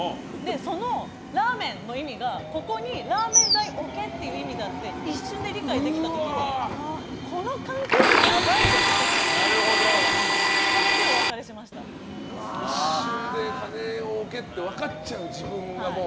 そのラーメン！の意味がここにラーメン代置けっていう意味だって一瞬で理解できた時にこの関係性やばいぞって突然気づいて一瞬で金を置けって分かっちゃう自分がもう。